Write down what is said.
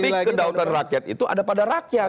tapi kedaulatan rakyat itu ada pada rakyat